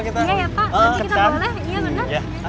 kita iya ya pak nanti kita boleh